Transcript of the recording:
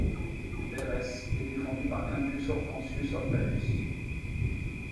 Verrès est défendu par Quintus Hortensius Hortalus.